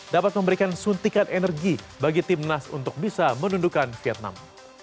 dapat memberikan suntikan energi bagi timnas untuk bisa menundukan vietnam